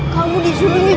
kamu disuruh jemur baju